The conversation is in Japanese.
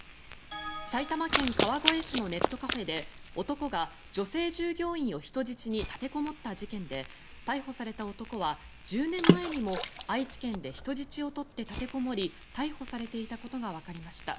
埼玉県川越市のネットカフェで男が女性従業員を人質に立てこもった事件で逮捕された男は１０年前にも愛知県で人質を取って立てこもり逮捕されていたことがわかりました。